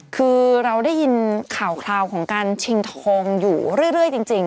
คือเราได้ยินข่าวข่าวของการชิงทองอยู่เรื่อยเรื่อยจริงจริง